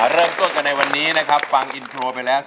ใช่คือชอบหยอกคุณพ่อเพราะว่าคุณพ่อน่ารักหนูรักคุณพ่อจังเลยอ่ะจริง